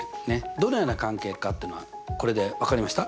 どのような関係かっていうのはこれで分かりました？